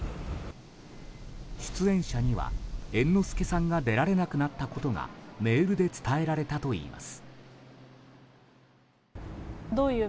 出演者には猿之助さんが出られなくなったことがメールで伝えられたといいます。